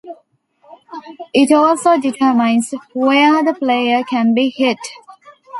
It also determines where the player can be "hit".